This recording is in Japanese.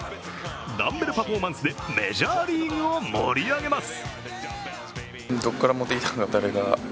ダンベルパフォーマンスでメジャーリーグを盛り上げます。